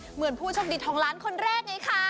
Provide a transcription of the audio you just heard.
เหมือนผู้โชคดีทองล้านคนแรกไงคะ